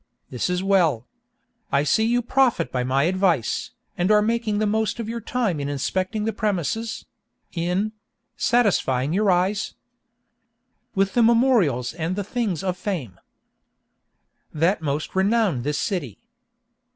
This is well. I see you profit by my advice, and are making the most of your time in inspecting the premises—in —satisfying your eyes With the memorials and the things of fame That most renown this city.